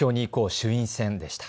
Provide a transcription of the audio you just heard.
衆院選でした。